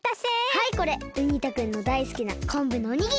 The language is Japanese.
はいこれウニ太くんのだいすきなこんぶのおにぎり。